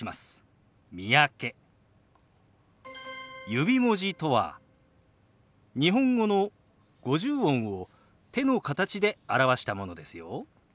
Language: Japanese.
指文字とは日本語の五十音を手の形で表したものですよ。